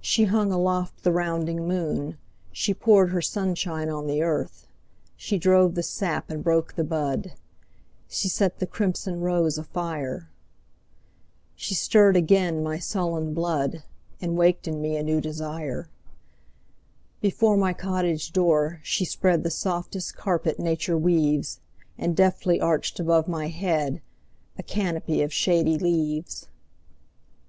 She hung aloft the rounding moon, She poured her sunshine on the earth, She drove the sap and broke the bud, She set the crimson rose afire. She stirred again my sullen blood, And waked in me a new desire. Before my cottage door she spreadThe softest carpet nature weaves, And deftly arched above my headA canopy of shady leaves.